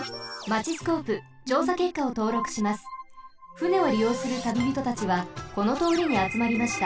船をりようする旅人たちはこのとおりにあつまりました。